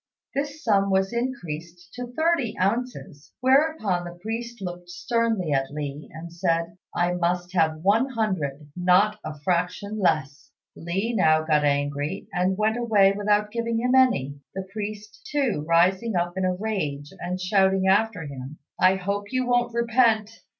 This sum was increased to thirty ounces, whereupon the priest looked sternly at Li and said, "I must have one hundred; not a fraction less." Li now got angry, and went away without giving him any, the priest, too, rising up in a rage and shouting after him, "I hope you won't repent."